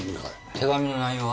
手紙の内容は？